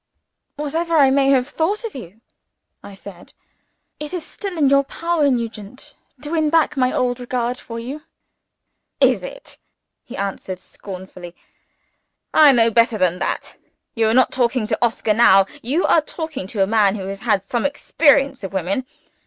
"Whatever I may have thought of you," I said, "it is still in your power, Nugent, to win back my old regard for you." "Is it?" he answered scornfully. "I know better than that. You are not talking to Oscar now you are talking to a man who has had some experience of women.